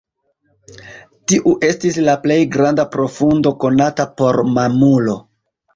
Tiu estis la plej granda profundo konata por mamulo.